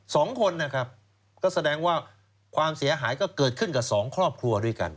สองคนนะครับก็แสดงว่าความเสียหายก็เกิดขึ้นกับสองครอบครัวด้วยกัน